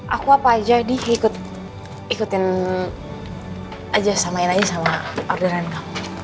aku apa aja diikutin aja sama enadji sama orderan kamu